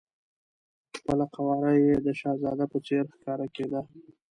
خپله قواره یې د شهزاده په څېر ښکارېده.